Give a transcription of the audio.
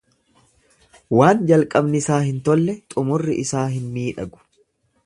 Waan jalqabnisaa hin tolle xumurri isaa hin miidhagu.